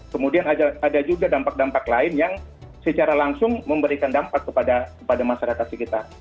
kemudian ada juga dampak dampak lain yang secara langsung memberikan dampak kepada masyarakat sekitar